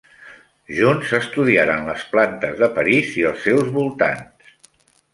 Junts estudiaren les plantes de París i els seus voltants.